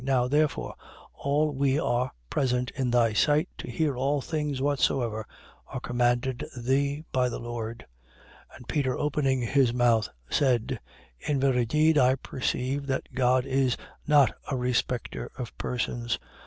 Now, therefore, all we are present in thy sight to hear all things whatsoever are commanded thee by the Lord. 10:34. And Peter opening his mouth, said: in very deed I perceive that God is not a respecter of persons. 10:35.